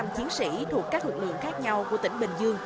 bốn trăm linh chiến sĩ thuộc các lục lượng khác nhau của tỉnh bình dương